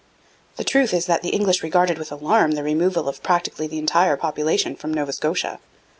The truth is that the English regarded with alarm the removal of practically the entire population from Nova Scotia.